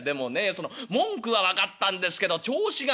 その文句は分かったんですけど調子がね」。